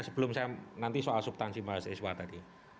sebelum saya nanti soal subtansi mahasiswa tadi